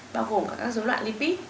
bao gồm các dối loạn lipid